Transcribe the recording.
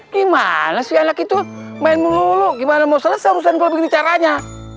gimana si anak itu main melulu gimana mau selesai urusan kalau begini caranya